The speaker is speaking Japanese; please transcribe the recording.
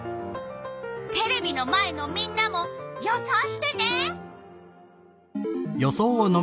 テレビの前のみんなも予想してね。